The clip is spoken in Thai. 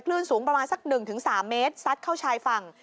คลื่นสูงประมาณสัก๑๓เมตรซัดเข้าชายฝั่ง